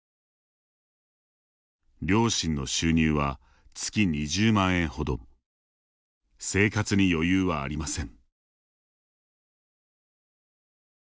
両親の収入は月２０万円ほど生活に余裕はありません。